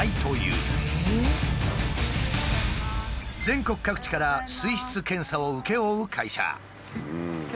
全国各地から水質検査を請け負う会社。